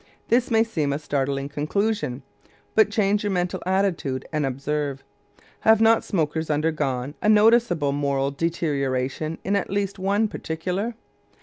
This may seem a startling conclusion, but change your mental attitude and observe. Have not smokers undergone a noticeable moral deterioration in at least one particular?